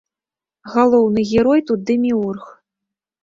Галоўны герой тут дэміург.